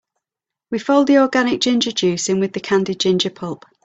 We fold the organic ginger juice in with the candied ginger pulp.